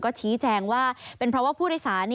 ก็ชี้แจงว่าเป็นเพราะว่าผู้โดยสาร